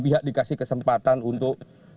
pihak dikasih kesempatan untuk